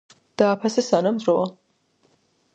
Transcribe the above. დააფასე სანამ დროა